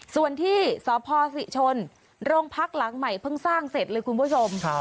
ส่วนที่สพศิชนโรงพักหลังใหม่เพิ่งสร้างเสร็จเลยคุณผู้ชม